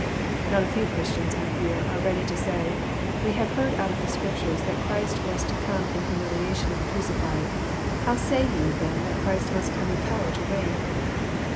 Not a few Christians, I fear, are ready to say, We have heard out of the Scriptures that Christ was to come in humilia tion to be crucified ; and how say ye, then, that Christ most come in power to reign?